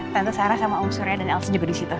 tante sarah sama om surya dan elsie juga disitu